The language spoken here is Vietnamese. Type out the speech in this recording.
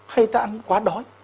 hay ta ăn quá đói